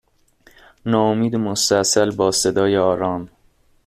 ناامید و مستاصل با صدای آرام